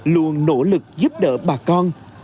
luôn nỗ lực giúp đỡ bà con